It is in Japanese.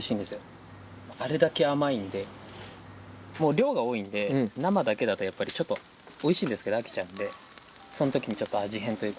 量が多いんで生だけだとやっぱりちょっとおいしいんですけど飽きちゃうのでその時にちょっと味変というか。